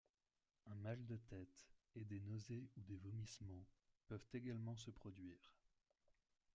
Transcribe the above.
Un mal de tête, et des nausées ou des vomissements peuvent également se produire.